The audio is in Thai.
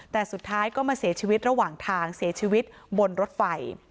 แต่สุดท้ายก็มาเสียชีวิตระหว่างทางเสียชีวิตบนรถไฟ